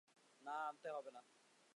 না, আনতে হবে না।